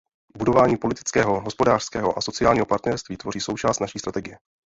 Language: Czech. Budování politického, hospodářského a sociálního partnerství tvoří součást naší strategie.